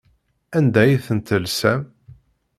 Anda ay ten-telsam?